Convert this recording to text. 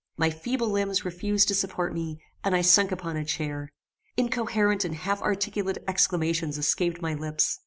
My feeble limbs refused to support me, and I sunk upon a chair. Incoherent and half articulate exclamations escaped my lips.